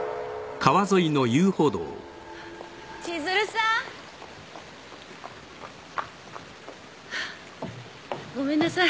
・千鶴さん！ごめんなさい。